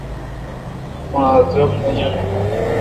مہ اکرم نہ جانوُن۔